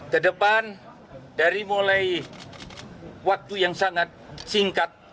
ke depan dari mulai waktu yang sangat singkat